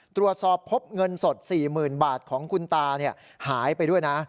ตรวจสอบพบเงินสด๔๐๐๐บาทของคุณตาหายไปด้วยนะ